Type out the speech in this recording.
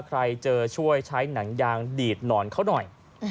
ใครเจอช่วยใช้หนังยางดีดหนอนเขาหน่อย